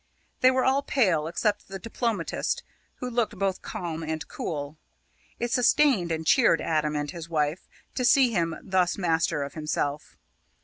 They were all pale except the old diplomatist, who looked both calm and cool. It sustained and cheered Adam and his wife to see him thus master of himself.